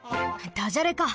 ダジャレか！